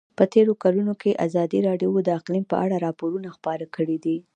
په تېرو کلونو کې ازادي راډیو د اقلیم په اړه راپورونه خپاره کړي دي.